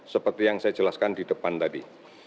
seperti yang saya jelaskan di depan tadi